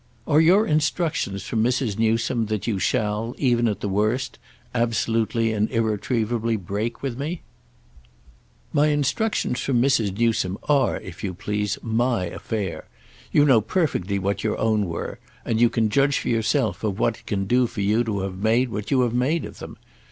"Are your instructions from Mrs. Newsome that you shall, even at the worst, absolutely and irretrievably break with me?" "My instructions from Mrs. Newsome are, if you please, my affair. You know perfectly what your own were, and you can judge for yourself of what it can do for you to have made what you have of them.